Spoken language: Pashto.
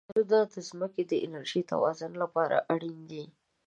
ځنګلونه د ځمکې د انرژی توازن لپاره اړین دي.